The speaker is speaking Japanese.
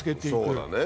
そうだね。